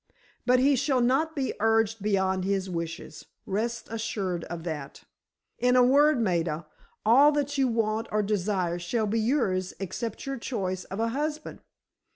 But he shall not be urged beyond his wishes, rest assured of that. In a word, Maida, all that you want or desire shall be yours except your choice of a husband.